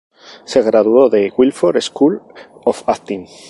Se graduó de "Guilford School of Acting".